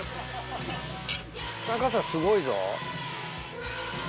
高さすごいぞ。